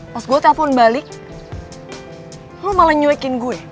pas gue telpon balik lo malah nyuekin gue